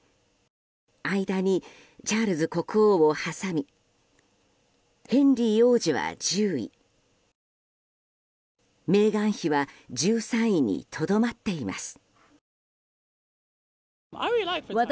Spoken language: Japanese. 間にチャールズ国王を挟みヘンリー王子は１０位メーガン妃は１３位にとどまっています。